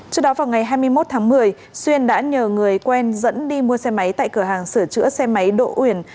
trước đó vào ngày hai mươi một tháng một mươi xuyên đã nhờ người quen dẫn đi mua xe máy tại cửa hàng sửa chữa xe máy đỗ uyển